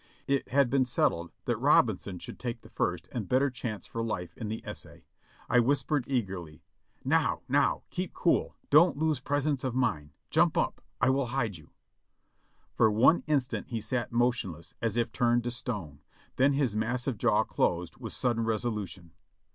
It had been settled that Robinson should take the first and better chance for life in the essay. I whispered eagerly, "Now ! Now ! Keep cool, don't lose presence of mind ! Jump up ! I will hide you !" For one instant he sat motionless, as if turned to stone ; then his massive jaw closed with sudden resolution.